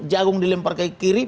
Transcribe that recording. jagung dilempar ke kiri